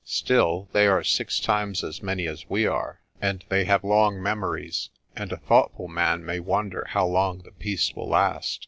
Still, they are six times as many as we are, and they have long memories, and a thought ful man may wonder how long the peace will last.